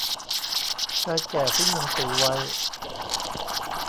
ชายแก่ทิ้งหนังสือไว้